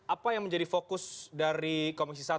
apa yang menjadi fokus dari komisi satu